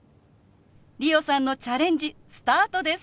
理央さんのチャレンジスタートです！